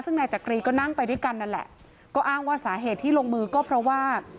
ซึ่งนายจักรีก็นั่งไปด้วยกันนั่นแหละก็อ้างว่าสาเหตุที่ลงมือก็เพราะว่า